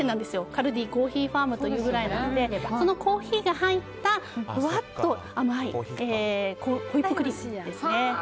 カルディコーヒーファームというぐらいなのでそのコーヒーが入ったふわっと甘いホイップクリームですね。